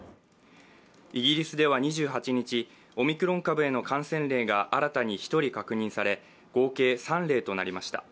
イギリスでは２８日、オミクロン株の感染例が新たに１人確認され、合計３例となりました。